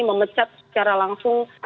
memecat secara langsung